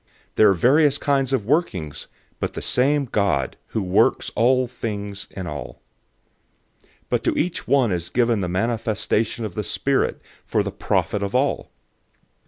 012:006 There are various kinds of workings, but the same God, who works all things in all. 012:007 But to each one is given the manifestation of the Spirit for the profit of all.